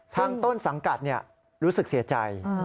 ต้นสังกัดรู้สึกเสียใจ